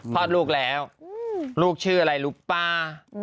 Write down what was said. คลอดลูกแล้วลูกชื่ออะไรรู้ป่ะ